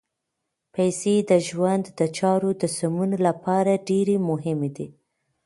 پیسې د ژوند د چارو د سمون لپاره ډېرې مهمې دي.